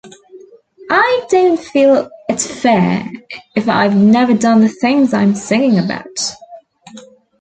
I don't feel it's fair if I've never done the things I'm singing about.